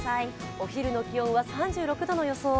お昼の気温は３６度の予想。